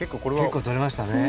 結構とれましたね。